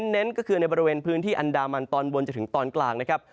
เน้นก็คือในบริเวณพื้นที่อันดามันตอนบนจนถึงตอนกลางนะครับ